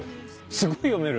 すごい読める。